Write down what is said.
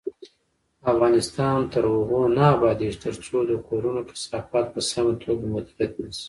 افغانستان تر هغو نه ابادیږي، ترڅو د کورونو کثافات په سمه توګه مدیریت نشي.